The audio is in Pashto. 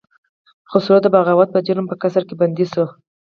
خسرو د بغاوت په جرم په قصر کې بندي شو.